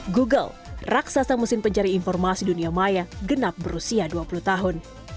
google raksasa mesin pencari informasi dunia maya genap berusia dua puluh tahun